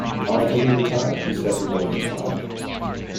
After he retired, he settled on his farm.